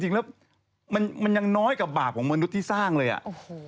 จริงแล้วมันยังน้อยกับบาปของมนุษย์ที่สร้างเลยอะ